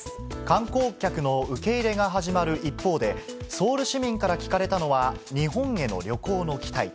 観光客の受け入れが始まる一方で、ソウル市民から聞かれたのは、日本への旅行の期待。